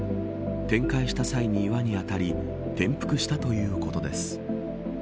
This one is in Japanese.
転回した際に岩に当たり転覆したということです。